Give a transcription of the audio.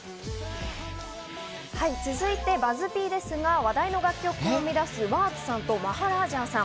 続いてＢＵＺＺ−Ｐですが、話題の楽曲を生み出すＷｕｒｔＳさんとマハラージャンさん。